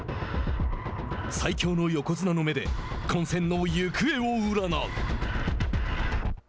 最強の横綱の目で混戦の行方を占う。